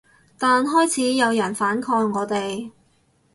但開始有人反抗我哋